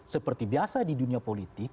seperti biasa di dunia politik